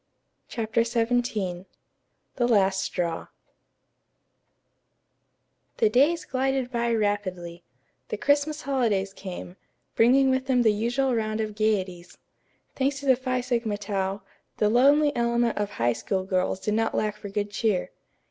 CHAPTER XVII THE LAST STRAW The days glided by rapidly. The Christmas holidays came, bringing with them the usual round of gayeties. Thanks to the Phi Sigma Tau, the lonely element of High School girls did not lack for good cheer.